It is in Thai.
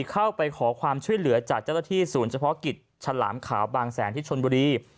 เข้าไปขอความช่วยเหลือจากเจ้าหน้าที่ศูนย์เฉพาะกิจฉลามขาวบางแสนที่ชนบุรี